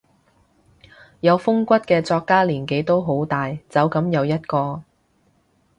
有風骨嘅作家年紀都好大，走噉又一個